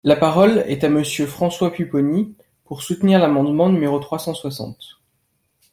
La parole est à Monsieur François Pupponi, pour soutenir l’amendement numéro trois cent soixante.